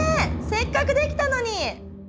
せっかくできたのに！